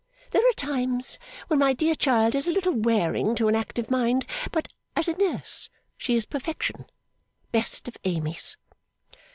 There are times when my dear child is a little wearing to an active mind; but, as a nurse, she is Perfection. Best of Amys!